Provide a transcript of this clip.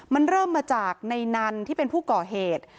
มันเริ่มมาจากในนันที่เป็นผู้ก่อเหตุ